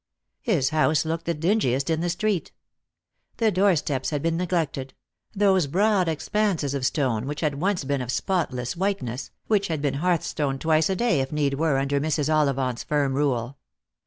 His house looked the dingiest in the street. The doorsteps had been neglected — those broad expanses of stone which had once been of spotless whiteness, which had been hearthstoned twice a day, if need were, under Mrs. Ollivant's firm rule.